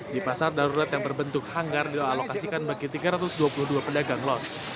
di pasar darurat yang berbentuk hanggar dialokasikan bagi tiga ratus dua puluh dua pedagang los